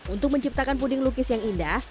untuk menciptakan puding lukis yang indah